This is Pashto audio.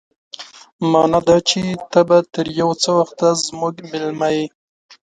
مانا دا چې ته به تر يو څه وخته زموږ مېلمه يې.